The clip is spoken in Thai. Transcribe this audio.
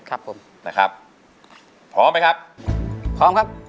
ครับผมนะครับพร้อมไหมครับพร้อมครับ